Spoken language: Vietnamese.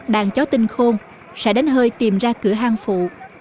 đàn chó tinh khôn sẽ đến hơi tìm ra cửa hang phụ